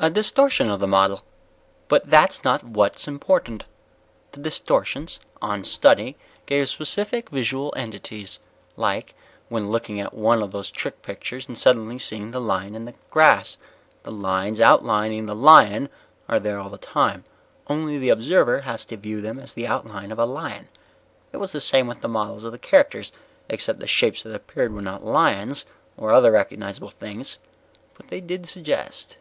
"A distortion of the model. But that's not what's important. The distortions, on study, gave specific visual entities. Like when looking at one of those trick pictures and suddenly seeing the lion in the grass. The lines outlining the lion are there all the time, only the observer has to view them as the outline of a lion. It was the same with the models of the characters, except the shapes that appeared were not of lions or other recognizable things. But they did suggest."